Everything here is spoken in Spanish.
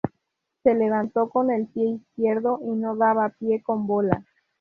Se levantó con el pie izquierdo y no daba pie con bola